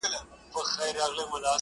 مثبت فکر انسان غښتلی کوي.